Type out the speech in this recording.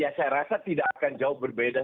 ya saya rasa tidak akan jauh berbeda